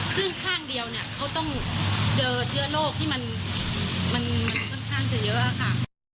ซึ่งข้างเดียวเนี่ยเขาต้องเจอเชื้อโรคที่มันค่อนข้างจะเยอะค่ะ